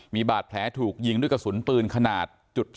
มีบาดแผลถูกยิงด้วยกระสุนปืนขนาด๓